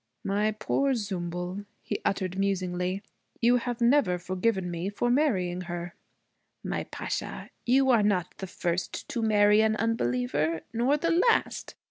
'My poor Zümbül,' he uttered musingly, 'you have never forgiven me for marrying her.' 'My Pasha, you are not the first to marry an unbeliever, nor the last.